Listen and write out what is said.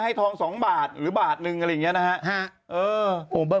ให้ทองสองบาทหรือบาทหนึ่งอะไรอย่างเงี้ยนะฮะฮะเออโอ้